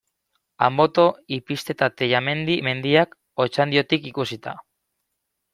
Anboto, Ipizte eta Tellamendi mendiak, Otxandiotik ikusita.